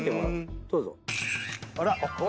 あら。